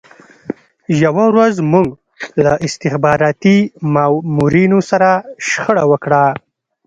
یوه ورځ موږ له استخباراتي مامورینو سره شخړه وکړه